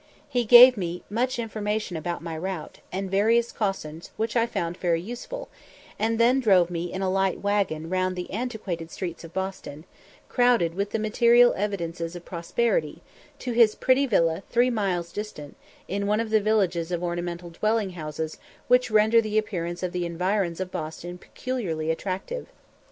He gave me much information about my route, and various cautions which I found very useful, and then drove me in a light "waggon" round the antiquated streets of Boston, crowded with the material evidences of prosperity, to his pretty villa three miles distant, in one of those villages of ornamental dwelling houses which render the appearance of the environs of Boston peculiarly attractive.